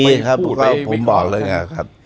ไม่มีครับเพราะว่าผมบอกแล้วไงครับ